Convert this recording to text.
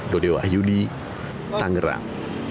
dodeo ayudi tanggerang